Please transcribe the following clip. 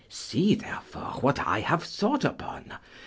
See, therefore, what I have thought upon.